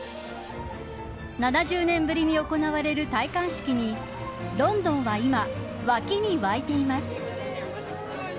７０年ぶりに行われる戴冠式にロンドンは今沸きに沸いています。